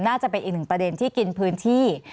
น่าจะเป็นอีกหนึ่งประเด็นที่กินพื้นที่